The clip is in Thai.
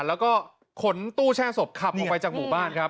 แล้วก็ขนตู้แช่ศพขับออกไปจากหมู่บ้านครับ